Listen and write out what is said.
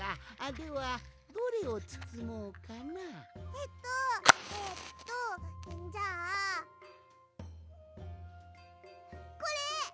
えっとえっとじゃあこれ！